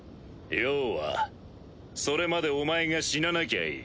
要はそれまでお前が死ななきゃいい。